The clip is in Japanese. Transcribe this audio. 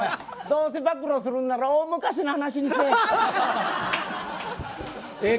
どうせ暴露するなら大昔の話にせえ。